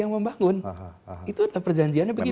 yang membangun itu adalah perjanjiannya begini